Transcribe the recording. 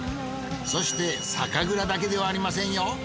そして酒蔵だけではありませんよ。